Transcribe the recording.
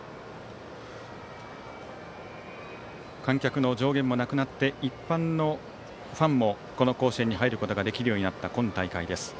観客の上限もなくなって一般のファンもこの甲子園に入ることができるようになった今大会です。